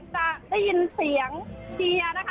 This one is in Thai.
จะได้ยินเสียงเจียร์นะคะ